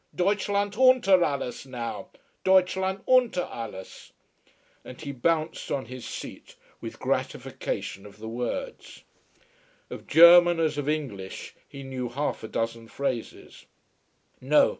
Deutschland unter alles now? Deutschland unter alles." And he bounced on his seat with gratification of the words. Of German as of English he knew half a dozen phrases.